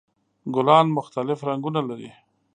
ګلان مختلف رنګونه لري.